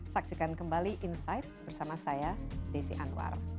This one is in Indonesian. saksikan kembali insight bersama saya desi anwar